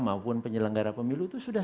maupun penyelenggara pemilu itu sudah